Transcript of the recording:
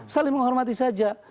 saling menghormati saja